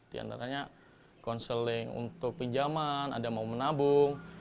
di antaranya konseling untuk pinjaman ada yang mau menabung